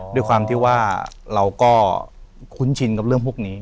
ด้วยความที่ว่าเราก็คุ้นชินกับเรื่องพวกนี้